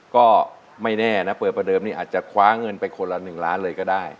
ก็ไม่แน่นะเปิดประเดิมนี่อาจจะคว้าเงินไปคนละ๑ล้านเลยก็ได้